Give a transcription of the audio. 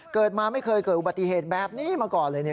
เกิดมาไม่เคยเกิดอุบัติเหตุแบบนี้มาก่อนเลยเนี่ย